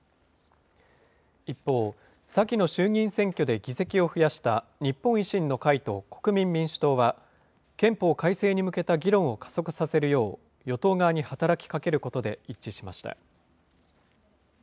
一方、先の衆議院選挙で議席を増やした日本維新の会と国民民主党は、憲法改正に向けた議論を加速させるよう、与党側に働きかけることで一致しました。